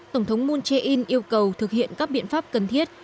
tổng thống moon jae in yêu cầu thực hiện các biện pháp cần thiết